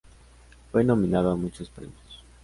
Fue nominado a muchos premios.